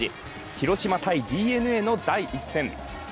広島×ＤｅＮＡの第１戦。